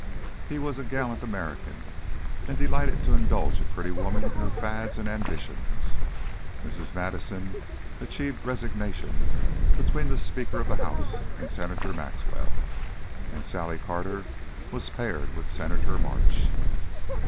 He was a gallant American, and delighted to indulge a pretty woman in her fads and ambitions. Mrs. Madison achieved resignation between the Speaker of the House and Senator Maxwell, and Sally Carter was paired with Senator March.